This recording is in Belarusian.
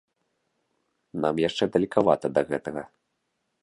Нам яшчэ далекавата да гэтага.